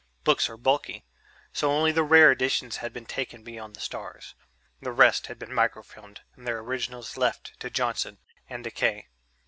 Books are bulky, so only the rare editions had been taken beyond the stars; the rest had been microfilmed and their originals left to Johnson and decay.